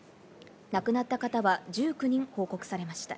亡くなった方は１９人報告されました。